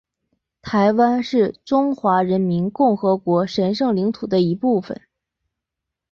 台湾是中华人民共和国的神圣领土的一部分